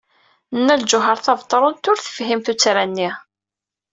Nna Lǧuheṛ Tabetṛunt ur tefhim tuttra-nni.